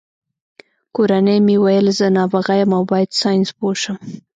کورنۍ مې ویل زه نابغه یم او باید ساینسپوه شم